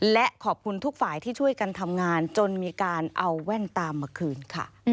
และขอบคุณทุกฝ่ายที่ช่วยกันทำงานจนมีการเอาแว่นตามมาคืนค่ะ